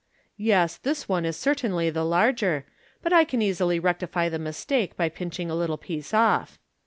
"Yes, this one is cer tainly the larger, but I can easily rectify the mistake by pinching a little piece off."